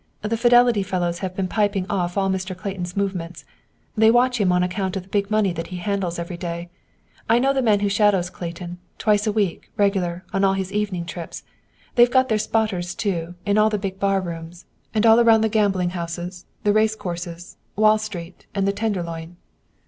"The Fidelity fellows have been piping off all Mr. Clayton's movements. They watch him on account of the big money that he handles every day. I know the man who shadows Clayton, twice a week, regular, on all his evening trips. They've got their spotters, too, in all the big bar rooms, and all around the gambling houses, the race courses, Wall Street and the Tenderloin.